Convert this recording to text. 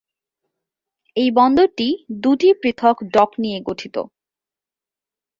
এই বন্দরটি দুটি পৃথক ডক নিয়ে গঠিত।